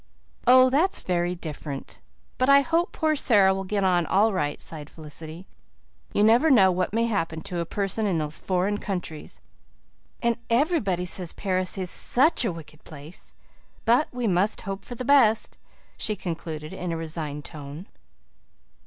"Oh, that's very different. But I hope poor Sara will get on all right," sighed Felicity. "You never know what may happen to a person in those foreign countries. And everybody says Paris is such a wicked place. But we must hope for the best," she concluded in a resigned tone.